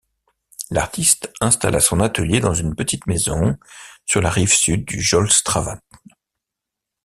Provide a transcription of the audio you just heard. L'artiste installa son atelier dans une petite maison sur la rive sud du Jølstravatn.